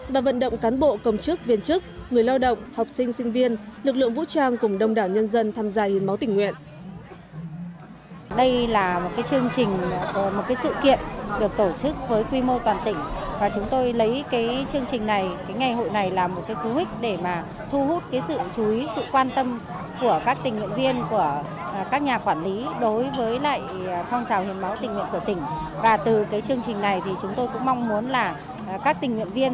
và vận động cán bộ công chức viên chức người lao động học sinh sinh viên lực lượng vũ trang cùng đông đảo nhân dân tham gia hiến máu tỉnh nguyện